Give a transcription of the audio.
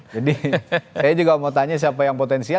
jadi saya juga mau tanya siapa yang potensial